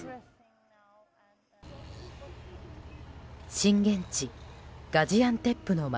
震源地ガジアンテップの街。